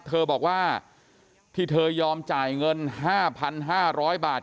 เธอบอกว่าที่เธอยอมจ่ายเงิน๕๕๐๐บาท